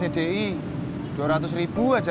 saya habis beli nasi buat buka pepas saya